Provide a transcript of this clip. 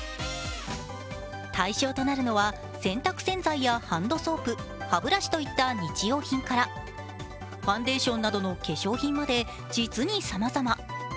対象となるのは、洗濯洗剤やハンドソープ歯ブラシといった日用品からファンデーションなどの化粧品まで実にさまざま。